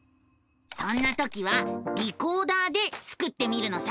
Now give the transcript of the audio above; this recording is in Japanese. そんな時は「リコーダー」でスクってみるのさ！